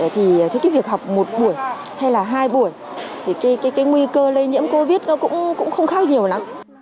thì cái việc học một buổi hay là hai buổi thì cái nguy cơ lây nhiễm covid nó cũng không khác nhiều lắm